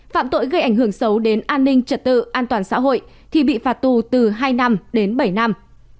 phạm tội gây ảnh hưởng xấu đến an ninh trật tự an toàn xã hội thì bị phạt tù từ hai năm đến bảy năm